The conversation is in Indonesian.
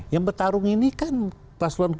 yang bertarung ini kan pasuan satu dua